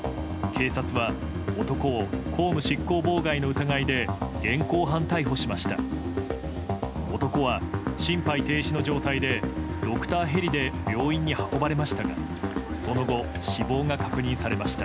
警察は男を公務執行妨害の疑いで現行犯逮捕しました。